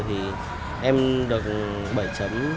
thì em được bảy